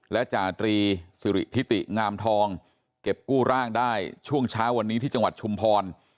และจาตรีสิริทิติงามทองเก็บกู้ร่างได้ช่วงเช้าวันนี้ที่จังหวัดชุมพร